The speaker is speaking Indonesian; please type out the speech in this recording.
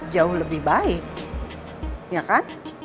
jauh lebih baik ya kan